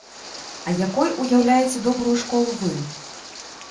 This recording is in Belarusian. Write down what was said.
А якой уяўляеце добрую школу вы?